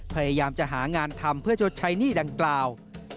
พยายามจะหางานทำเพื่อชดใช้หนี้ดังกล่าว